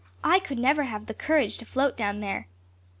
"I could never have the courage to float down there."